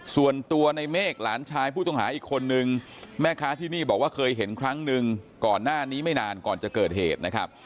ส่วนตัวในเมฆหลานชายผู้ต้องหาอีกคนนึงแม่ค้าที่นี่บอกว่าเคยเห็นครั้งหนึ่งก่อนหน้านี้ไม่นานก่อนจะเกิดเหตุนะครับ